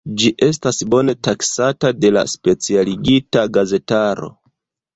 Ĝi estas bone taksata de la specialigita gazetaro.